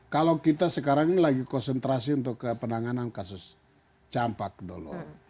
kalau kita sekarang ini lagi konsentrasi untuk penanganan kasus campak dulu